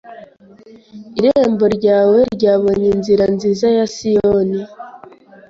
Irembo ryawe ryabonye inzira nziza za Siyoni